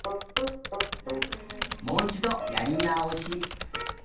もういちどやりなおし。